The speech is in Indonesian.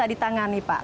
bisa ditangani pak